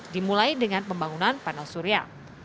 dimulai dengan pembangunan panel surya